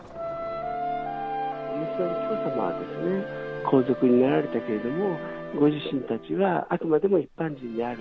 紀子さまは皇族になられたけれども、ご自身たちはあくまでも一般人である。